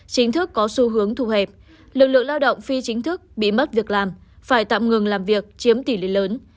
chính thức có xu hướng thu hẹp lực lượng lao động phi chính thức bị mất việc làm phải tạm ngừng làm việc chiếm tỷ lệ lớn